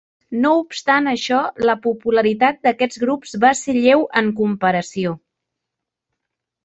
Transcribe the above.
No obstant això, la popularitat d'aquests grups va ser lleu en comparació.